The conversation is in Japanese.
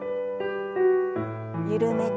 緩めて。